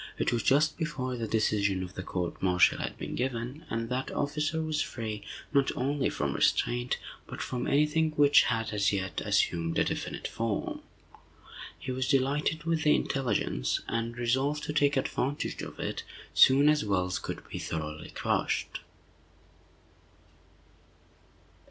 It was just before the decision of the court martial had been given, and that officer was free, not only from restraint, but from any thing which had, as yet, assumed a definite form. He was delighted with the intelligence, and resolved to take advantage of it soon as Wells could be thoroughly crushed.